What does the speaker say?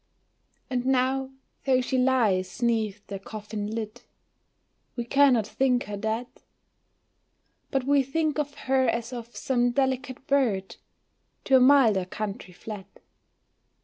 And now though she lies 'neath the coffin lid, We cannot think her dead; But we think of her as of some delicate bird To a milder country fled.